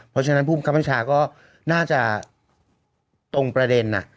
เพราะฉะนั้นผู้คำพิชาก็น่าจะตรงประเด็นน่ะ